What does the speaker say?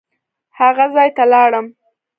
هغه ځای ته لاړم.